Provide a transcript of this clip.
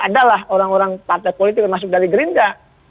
adalah orang orang partai politik yang masuk dari gerinda